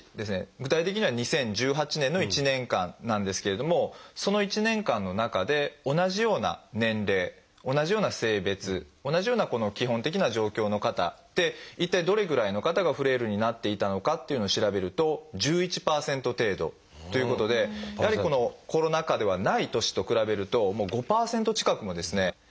具体的には２０１８年の１年間なんですけれどもその１年間の中で同じような年齢同じような性別同じような基本的な状況の方で一体どれぐらいの方がフレイルになっていたのかというのを調べると１１％程度ということでやはりこのコロナ禍ではない年と比べると５％近くもですね